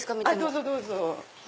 どうぞどうぞ。